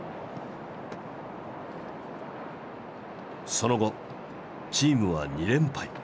その後チームは２連敗。